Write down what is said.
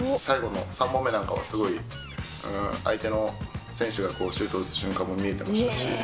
最後の３本目なんかはすごい相手の選手がシュートを打つ瞬間も見えてましたし。